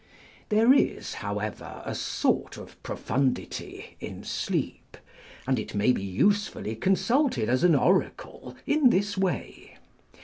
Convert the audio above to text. There is, how ever, a sort of profundity in sleep ; and it may be usefully consulted as an oracle in this way.